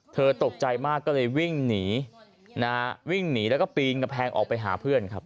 ตกใจมากก็เลยวิ่งหนีนะฮะวิ่งหนีแล้วก็ปีนกำแพงออกไปหาเพื่อนครับ